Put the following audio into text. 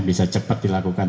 bisa cepat dilakukan